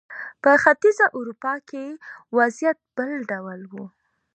په ختیځه اروپا کې وضعیت بل ډول و.